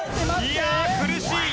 いやあ苦しい！